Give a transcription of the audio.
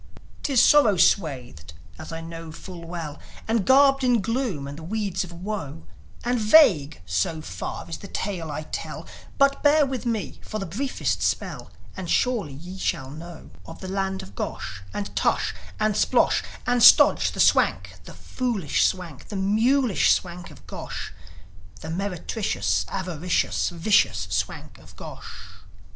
'Tis sorrow swathed, as I know full well, And garbed in gloom and the weeds of woe, And vague, so far, is the tale I tell; But bear with me for the briefest spell, And surely shall ye know Of the land of Gosh, and Tush, and Splosh, And Stodge, the Swank, the foolish Swank, The mulish Swank of Gosh The meretricious, avaricious, Vicious Swank of Gosh.